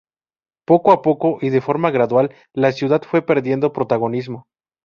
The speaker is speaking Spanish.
Poco a poco y de forma gradual, la ciudad fue perdiendo protagonismo.